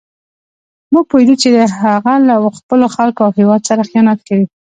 موږ پوهېدو چې هغه له خپلو خلکو او هېواد سره خیانت کوي.